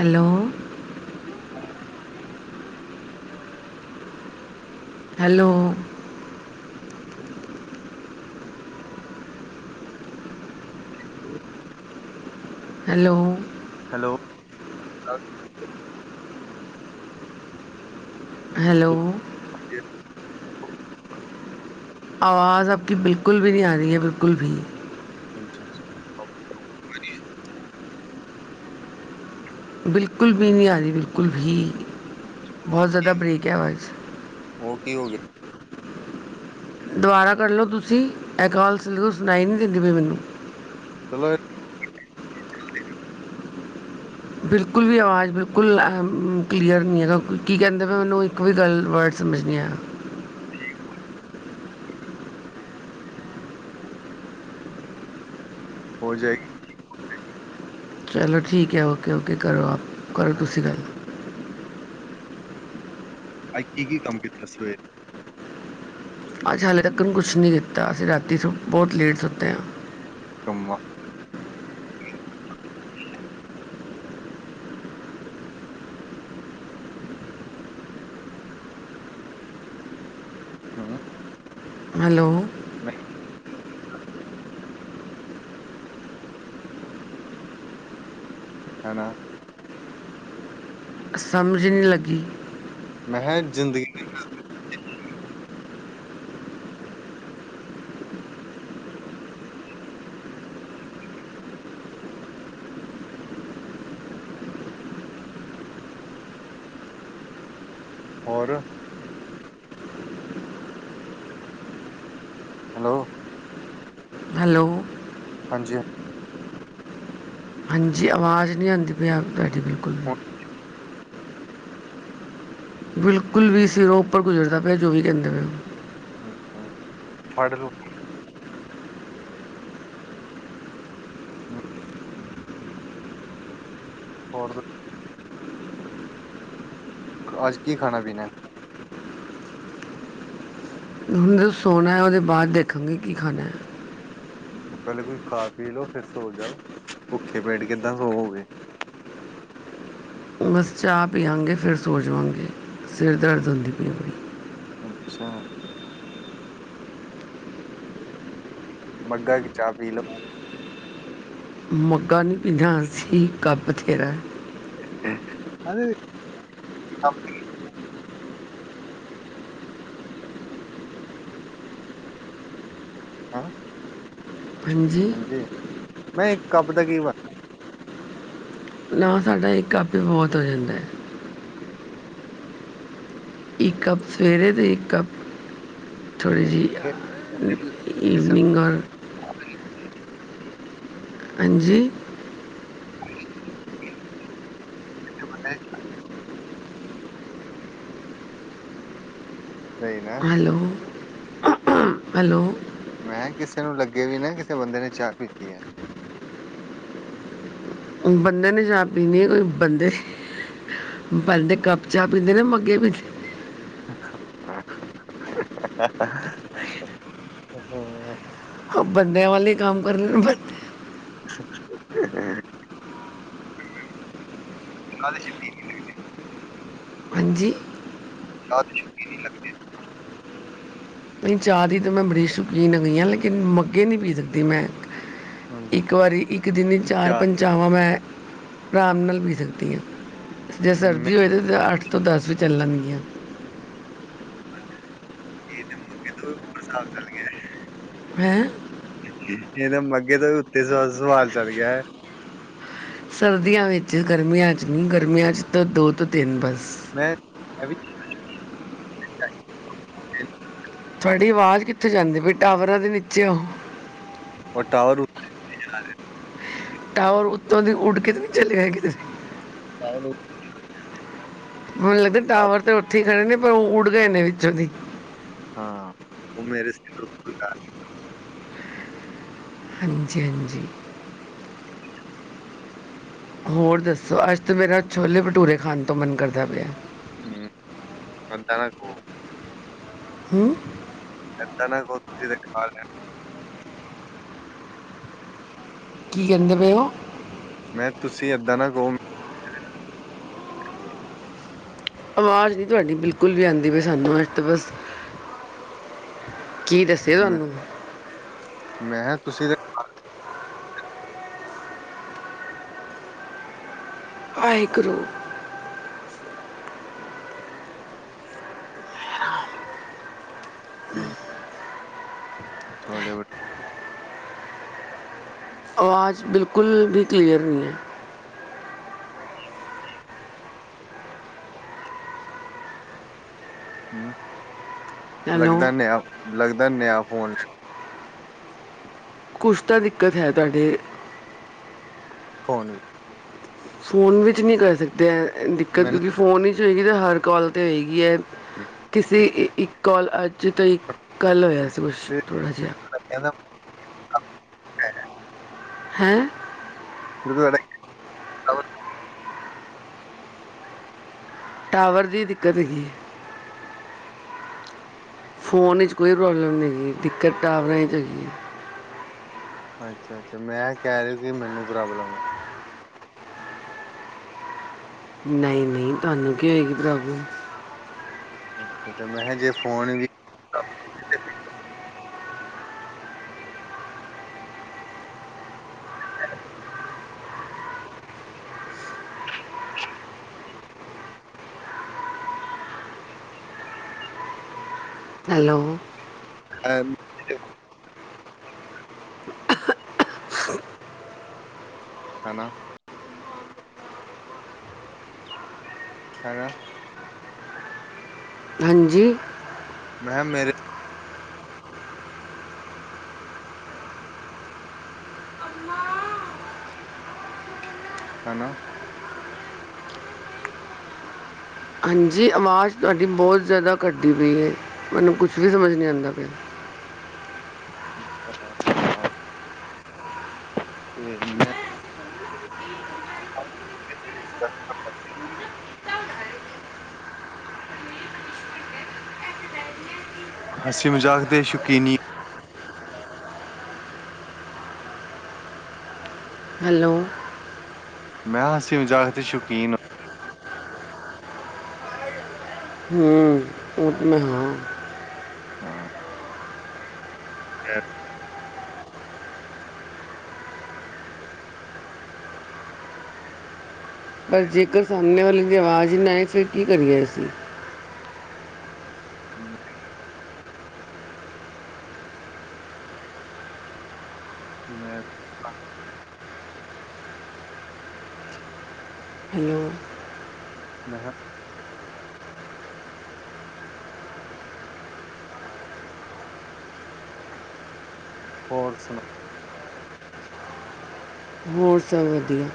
Hello [inaudible] hello [inaudible] [inaudible] hello hello ਅੱਛਾ hello [inaudible] ਆਵਾਜ਼, ਆਪ ਕੀ ਬਿਲਕਲ ਵੀ ਨਹੀਂ ਆ, ਰਹੀ ਹੈ ਬਿਲਕਲ ਵੀ ਅੱਛਾ- ਅੱਛਾ ਬਿਲਕੁਲ ਵੀ ਨਹੀਂ ਆ ਰਹੀ, ਬਿਲਕੁਲ ਵੀ ਬਹੁਤ ਜ਼ਿਆਦਾ ਬਰੇੇਕ ਹੈ, ਆਵਾਜ਼ਜ਼ਚ ਉਹ ਕੀ ਹੋ ਗਿਆ। ਦੁਬਾਰਾ ਕਰਢ ਲਓ ਤੁਸੀਂ, ਕਾਲ ਸਲਗ ਸੁਣਾਈ ਨਹੀਂ ਦਿੰਦੀ ਪਈ ਮੈਨੂੰ [inaudible] ਬਿਲਕੁਲ ਵੀ ਆਵਾਜ਼, ਬਿਲਕੁਲ ਕਲੀਅਰ ਨਹੀਂ ਹੈਗਾ, ਕੀ ਕਹਿੰਦੇ ਮੈਂ ਉਹੈਨੂੰ, ਇੱਕ ਵੀ ਗੱਲ ਵਰਡ ਸਮਝਦੇ ਨਹੀਂ ਆ ਰਹਾ। ਹੋ ਜਾਏ ਚਲੋ ਠੀਕ ਹੈ, ਓਕੇ -ਓਕੇ ਕਰੋ ਆਪ ਕਰੋ, ਹਾਂ ਤੁਸੀਂ ਗੱਲ ਅੱਜ ਕੀ -ਕੀ ਕੰਮ ਕੀਤਾ ਸਵੇਰ ਅੱਜ ਹਾਲੇ ਤੱਕ ਨੂੰ ਕੁਛ ਨਹੀਂ ਕੀਤਾ, ਅਸੀਂ ਰਾਤੀ ਸੁ ਬਹੁਤ ਲੇਟ ਸੁੱਤੇ ਹਾਂ। [inaudible] ਹਮ ਹੈਲੋ [inaudible] ਹਨਾ ਸਮਝ ਹੀ ਨਹੀਂ ਲੱਗੀ। ਮੈਂ ਕਿਹਾ ਜ਼ਿੰਦਗੀ [inaudible] ਹੋਰ ਹੈਲੋ ਹੈਲੋ ਹਾਂਜੀ ਹਾਂਜੀ, ਆਵਾਜ਼ ਨਹੀਂ ਆਉਂਦੀ ਪਿਆ, ਤੁਹਾਡੀ ਬਿਲਕੁਲ ਵੀ ਬਿਲਕੁਲ ਵੀ ਸੀਿਰ ਉਹ ਉੱਪਰ ਗੁਜ਼ਰਦਾ ਪਿਆ, ਜੋ ਵੀ ਕਹਿੰਦੇ ਪਏ ਹੋ। ਅੱਛਾ -ਅੱਛਾ ਫੜ ਲਓ। ਹਮ ਹੋਰ ਅੱਜ ਕੀ ਖਾਣਾ, ਪੀਣਾ। ਹੁਣ ਜਦੋਂ ਸੋਣਾ ਹੈ, ਉਹਦੇ ਬਾਅਦ ਦੇਖਾਂਗੇ ਕੀ ਖਾਣਾ ਹੈ। ਪਹਿਲੇ ਕੁਝ ਖਾ ਪੀ ਲਓ, ਫਿਰ ਸੋ ਜਾਓ, ਭੁੱਖੇ ਪੇਟ ਕਿੱਦਾਂ ਸੋਵੋਗੇ। ਬਸ ਚਾਹ ਪੀਵਾਂਗੇ, ਫਿਰ ਸੋਜਵਾਂਗੇ, ਸਿਰ ਦਰਦ ਹੁੰਦੀ ਪਈੀ। ਅੱਛਾ। ਮੱਗਾ ਏਕ ਚਾ ਪੀ ਲੋ ਮੱਗਾ ਨੀ ਪੀਂਦੇ ਹੁ ਅਸੀਂ ਕੱਪ ਥੇਰਾ ਐ। ਹਾਜੀ, [unintelligible] ਹੈਂ, ਹਾਂਜੀ, ਨਈ ਕੱਪ ਦਾ ਕੀ ਵਾ ਨਾ ਸਾਡਾ ਏ ਕੱਪ ਈ ਬੌਤ ਹੋ ਜਾਂਦਾ ਐ। ਈ ਕੱਪ ਸਵੇਰੇ ਦੇ ਈ ਕੱਪ ਥੋੜੀ ਬਣ ਜੀ, ਅ ਕਿਸੇ ਈਵਨੀਂਗ ਔਰ [unintelligible] ਹਾਂਜੀ? [unintelligible] ਸਈ ਨਾ, ਲੋ ਹੈਲੋ। ਮੈਂ ਕੀਸੇ ਨੂੰ ਲੱਗੇ ਵੀ ਨਾ ਕੀਸੇ ਬੰਦੇ ਨੇ ਚਾਅ ਪੀਤੀ ਆ। ਬੰਦੇ ਨੇ ਚਾ ਪੀਣੀ ਕੋ ਬੰਦੇ ਪੈਂਦੇ ਕੱਪ ਚਾ ਪੀਂਦੇ ਨੇ ਮੱਗੇ ਪੀਂਦੇ [inaudible] ਆਹਾਂ। ਓ ਬੰਦੇਆਂ ਵਾਲੇ ਕੰਮ ਕਰਨ ਬੰ [inaudible] [unintelligible] ਹਾਂਜੀ? [unintelligible] ਨਈ ਚਾਅ ਦੀ ਤਾਂ ਮੈਂ ਬੜੀ ਸ਼ੌਕੀਨ ਆ ਗੀ ਆਂ ਲੇਕੀਨ ਮੈਂ ਮੱਗੇ ਨੀ ਪੀ ਸਕਦੀ ਮੈਂ ਹਮ, ਈਕ ਵਾਰੀ ਈਕ ਦੀਨ ਇਹ ਚਾਹ ਚਾਰ-ਪੰਜ ਚਾਵਾਂ ਮੈਂ ਆਰਾਮ ਨਾਲ ਪੀ ਸਕਦੀ ਆਂ ਜੇ ਸਰਦੀ ਮੇਰੇ ਹੋਵੇ ਤਾਂ ਤਾਂ ਅੱਠ ਤੋਂ ਦਸ ਵੀ ਚੱਲਣਗੀਆਂ। ਹਾਜੀ, ਏ ਤਾਂ ਮੱਕੇ ਤੋ ਵੀ [unintelligible] ਹੈਂ ਏ ਤੇ ਮੱਕੇ ਤੋ ਵੀ ਉਤੇ ਸਾ ਸਵਾਲ ਚੱਲ ਗੇਆ ਏ ਸਰਦੀਆਂ ਵੇਚ ਗਰਮੀਆਂ ਚ ਨਈ ਗਰਮੀਆਂ ਚ ਤਾਂ ਦੋ ਤੋਂ ਤੇਨ ਬਸ। ਮੈਂ ਮੈਂ ਵੀ ਧੁਆਡੀ ਆਵਾਜ਼ ਕੀਥੇ ਜਾਂਦੀ ਬਈ ਟਾਵਰਾਂ ਦੇ ਨੀਚੇ ਓ। ਓ ਟਾਵਰ ਉਤੈ-ਉਤੇ ਜਾ ਰਏ। ਟਾਵਰ ਓਤੋਂ ਦੀ ਉੱਡ ਕੇ ਤੇ ਨੀ ਚਲੇਆ ਕੀਦਰੇ। [unintelligible] ਮੇ ਲੱਗਦਾ ਟਾਵਰ ਤੇ ਓਥੇ ਈ ਖੜੇ ਨੇ ਪਰ ਓ ਊਡ ਗਏ ਨੇ ਵੀਚੋਂ ਦੀ। ਹਾਂ ਓ ਮੇਰੇ ਸੇਰ ਉੱਤੋਂ ਜਾ ਹਾਂਜੀ-ਹਾਂਜੀ। ਹੋਰ ਦੱਸੋ ਅੱਜ ਤਾਂ ਮੇਰਾ ਛੋਲੇ ਭਟੂਰੇ ਖਾਣ ਤੋਂ ਮਨ ਕਰਦਾ ਪੇਆ ਐ। ਹੂੰ, ਕੰਤਾ ਨਾ ਖੋ ਹੂੰ। ਏਦਾ ਨਾ ਕੋ ਤੁਸੀਂ ਦੇਖ ਡਕਾਲ ਲਿਆ। ਕੀ ਕਹਿੰਦੇ ਪੇ ਓ? ਮੈਂ ਤੁਸੀਂ ਏਦਾਂ ਨਾ ਕੋ ਆਵਾਜ਼ ਨੀ ਤੁਹਾਡੀ ਬਿਲਕੁੱਲ ਵੀ ਆਂਦੀ ਪਈ ਸਾਨੂੰ ਅੱਜ ਤ ਬਸ ਕੀ ਦੱਸ ਮੈਂ, ਮੈਂ ਤੁਸੀਂ ਤੇ ਡਕਾ ਆਏ ਕਰੋ। ਹੂੰ। ਛੋਲੇ ਭਟੂ ਆਵਾਜ਼ ਬਿਲਕੁੱਲ ਵੀ ਕਲੀਅਰ ਨੀ ਐ। [inaudible] ਹੂੰ, ਹੈਲੋ ਲੱਗਦਾ ਨੇਆ ਲੱਗਦਾ ਨੇਆ ਫੋਨ ਕੁਝ ਤਾਂ ਦਿੱਕਤ ਹੈ ਤੁਹਾਡੇ ਫੋਨ ਵੀ ਫੋਨ ਵਿੱਚ ਨਈ ਕਰ ਸਕਦੇ ਐ ਦਿੱਕਤ ਮੈਨੂੰ ਕਿਉਂਕਿ ਫ਼ੋਨ ਵਿੱਚ ਹੋਏਗੀ ਤਾਂ ਹਰ ਕੋਲ 'ਤੇ ਓਏਗੀ ਐ ਕਿਸੇ ਇੱਕ ਕੋਲ ਅੱਜ ਤੋਂ ਇੱਕ ਕੱਲ ਹੋਇਆ ਸੀ ਕੁਛ ਫਿਰ ਥੋੜਾ ਜੇਆ। [inaudible] ਹੈਂ। [inaudible] ਟਾਵਰ ਦੀ ਦਿੱਕਤ ਹੈਗੀ ਏ। ਫੋਨ ਵਿੱਚ ਕੋਈ ਪ੍ਰੋਬਲਮ ਨੀ ਹੈਗੀ ਦਿੱਕਤ ਟਾਵਰਾਂ 'ਚ ਏ ਗੀ ਏ। ਅੱਛਾ-ਅੱਛਾ ਮੈਂ ਕਹਿ ਰੇਆ ਸੀ ਮੈਨੂੰ ਪ੍ਰੋਬਲਮ ਏ। ਨਈ-ਨਈ ਤੁਹਾਨੂੰ ਕੀ ਹੋਏਗੀ ਪ੍ਰੋਬਲਮ। ਅੱਛਾ ਮੈਂ ਮਹਾ ਜੇ ਫੋਨ ਵੀ ਪ੍ਰੋਬਲਮ 'ਤੇ ਸੀ ਹੈਲੋ ਐਮ ਹਨਾ। ਹਰਾ। ਹਾਂਜੀ। ਮੈਂ ਮੇਰੇ ਹਨਾ। ਹਾਂਜੀ ਆਵਾਜ਼ ਤੁਹਾਡੀ ਬੋ ਜਿਆਦਾ ਕੱਟਦੀ ਪੀ ਏ ਮੈਨੂੰ ਕੁਛ ਵੀ ਸਮਝ ਨੀ ਆਂਦਾ ਪਿਆ। [inaudible] ਫੇਰ ਮੈਂ [inaudible] ਹਾਸੀ, ਮਜ਼ਾਕ ਦੇ ਸ਼ੌਕੀਨੀ ਹੈਲੋ ਮੈਂ ਹਾ ਹਾਸੀ, ਮਜ਼ਾਕ ਦੇ ਸ਼ੌਕੀਨ ਹੂੰ ਓ ਤ ਮੈਂ ਹਾਂ। ਹਾਂ ਪਰ ਜੇਕਰ ਸਾਹਮਣੇ ਵਾਲੇ ਦੀ ਆਵਾਜ਼ ਨਾ ਆਏ ਫਿਰ ਕੀ ਕਰੀਏ ਅਸੀਂ। [inaudible] ਮੈਂ ਹੈਲੋ ਮੈਂ ਹਾ ਹੋਰ ਸੁਣਾਓ। ਹੋਰ ਸਭ ਵਧੀਆ।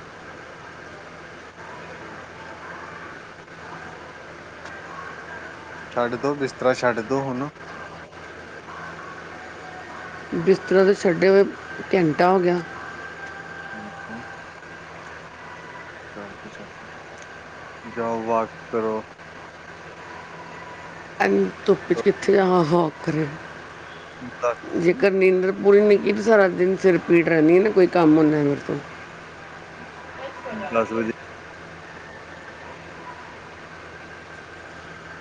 [inaudible] [unintelligible] ਛੱਡ ਦੋ ਬਿਸਤਰਾ ਛੱਡ ਦੋ ਹੁਣ ਬਿਸਤਰਾ ਤਾ ਛੱਡੇ ਹੋਏ ਘੰਟਾ ਹੋ ਗਿਆ। ਅੱਛਾ ਛੱਡ ਦੋ ਛੱਡ ਤਾ ਜਾਓ ਵਾਕ ਕਰੋ। ਇੰਨੀ ਧੁੱਪ ਚ ਕਿੱਥੇ ਜਾਵਾਂ ਵਾਕ ਕਰਨ। [unintelligible] ਜੇਕਰ ਨੀਂਦਰ ਪੂਰੀ ਨਹੀਂ ਕੀਤੀ ਤਾਂ ਸਾਰਾ ਦਿਨ ਸਿਰਪੀੜ ਰਹਿੰਦੀ ਹੈ ਨਾ ਕੋਈ ਕੰਮ ਹੁੰਦਾ ਹੈ ਮੇਰੇ ਤੋਂ ਦਸ ਵਜੇ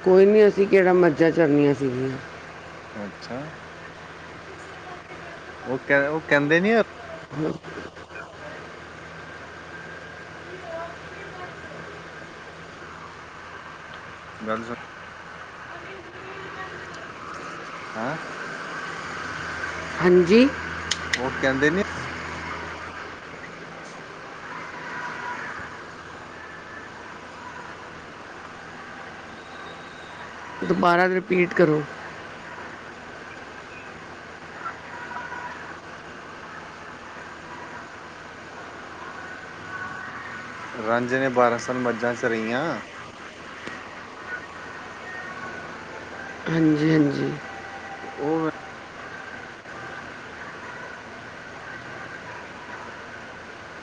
ਕੋਈ ਨਹੀਂ ਅਸੀਂ ਕਿਹੜਾ ਮੱਝਾਂ ਚਾਰਨੀਆਂ ਸੀਗੀਆਂ। ਅੱਛਾ ਉਹ ਕਹਿੰਦੇ ਉਹ ਕਹਿੰਦੇ ਨੀ ਯ [unintelligible] ਗੱਲ ਸੁਣ ਹੈਂ ਹਾਂਜੀ। ਉਹ ਕਹਿੰਦੇ ਨੀ ਦੁਬਾਰਾ ਰਿਪੀਟ ਕਰੋ। ਰਾਂਝੇ ਨੇ ਬਾਰਾਂ ਸਾਲ ਮੱਝਾਂ ਚਰਈਆਂ। ਹਾਂਜੀ ਹਾਂਜੀ। ਤੇ ਉਹ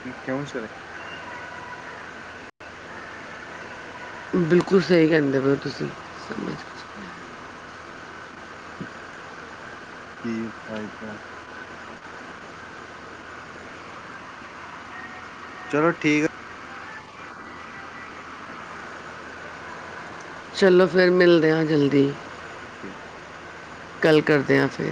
ਕੀ ਕਿਉਂ ਚਰਾਈਆਂ। ਬਿਲਕੁਲ ਸਹੀ ਕਹਿੰਦੇ ਪਏ ਓ ਤੁਸੀਂ ਕੀ ਫ਼ਾਇਦਾ ਚਲੋ ਠੀਕ ਆ ਚਲੋ ਫਿਰ ਮਿਲਦੇ ਹਾਂ ਜਲਦੀ। ਠੀਕ। ਕੱਲ ਕਰਦੇ ਹਾਂ ਫਿਰ